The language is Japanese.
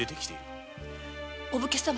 お武家様！